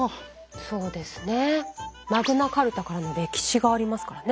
そうですねマグナ＝カルタからの歴史がありますからね。